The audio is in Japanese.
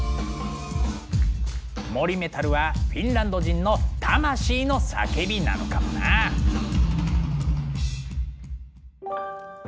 森メタルはフィンランド人の魂の叫びなのかもな。わ。